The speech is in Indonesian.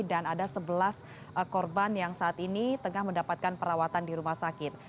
ada sebelas korban yang saat ini tengah mendapatkan perawatan di rumah sakit